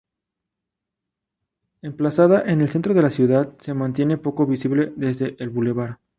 Emplazada en el centro de la ciudad, se mantiene poco visible desde el boulevard.